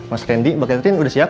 mas rendy pak katwin udah siap